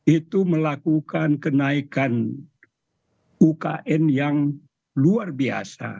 itu melakukan kenaikan ukm yang luar biasa